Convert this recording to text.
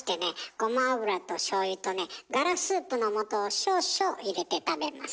ごま油としょうゆとねガラスープの素を少々入れて食べます。